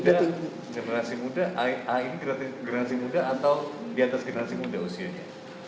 ada generasi muda a ini generasi muda atau di atas generasi muda usianya